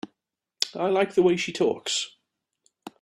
I like the way she talks.